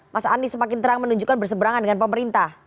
mas anies semakin terang menunjukkan berseberangan dengan pemerintah